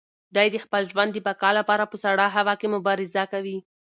دی د خپل ژوند د بقا لپاره په سړه هوا کې مبارزه کوي.